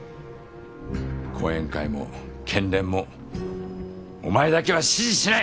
後援会も県連もお前だけは支持しない！